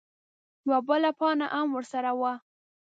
_يوه بله پاڼه ام ورسره وه.